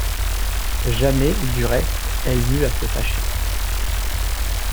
Jamais, du reste, elle n’eut à se fâcher.